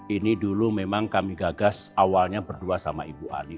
ini dulu memang kami gagas awalnya berdua sama ibu ani